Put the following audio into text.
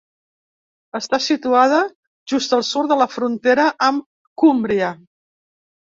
Està situada just al sud de la frontera amb Cúmbria.